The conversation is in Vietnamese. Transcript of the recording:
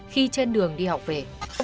khi trên đường đi học về